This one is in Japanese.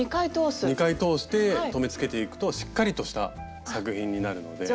２回通して留めつけていくとしっかりとした作品になるので。